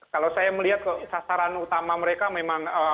kalau saya melihat sasaran utama mereka memang